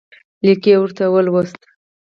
لیک یې ورته ولوست.